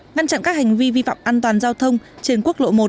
ngăn chặn các hành vi vi phạm an toàn giao thông trên quốc lộ một